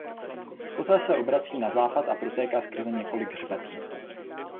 Poté se obrací na západ a protéká skrze několik hřbetů.